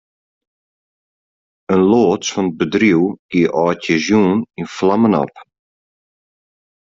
In loads fan it bedriuw gie âldjiersjûn yn flammen op.